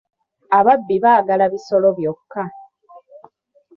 Ababbi baagala bisolo byokka.